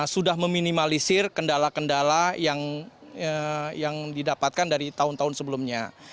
sudah meminimalisir kendala kendala yang didapatkan dari tahun tahun sebelumnya